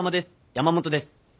山本です」